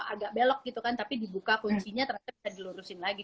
agak belok gitu kan tapi dibuka kuncinya ternyata bisa dilurusin lagi